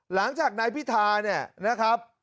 หลังจากนายพิทธานะครับ